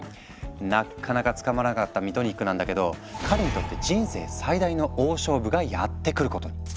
なっかなか捕まらなかったミトニックなんだけど彼にとって人生最大の大勝負がやって来ることに。